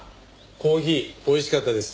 コーヒーおいしかったです。